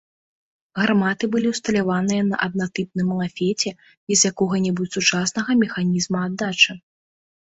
Гарматы былі ўсталяваныя на аднатыпным лафеце, без якога-небудзь сучаснага механізма аддачы.